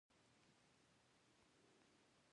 یو جونګړه ځما کور وای